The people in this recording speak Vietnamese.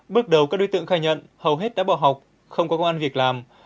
bước đầu các đối tượng khai nhận hầu hết đã bỏ học không có công an việc làm